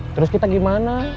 terus kita gimana